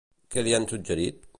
Què li han suggerit?